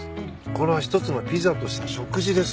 これは一つのピザとして食事です。